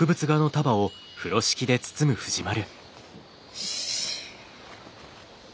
よし。